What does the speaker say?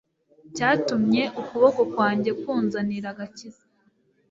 cyatumye ukuboko kwanjye kunzanira agakiza